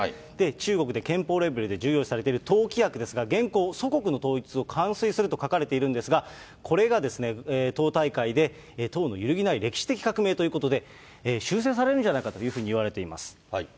中国で憲法レベルで重要視されている党規約ですが、現行、祖国の統一を完遂すると書かれているんですが、これが党大会で、党の揺るぎない歴史的革命ということで、修正されるんじゃないかというふうにいわれています。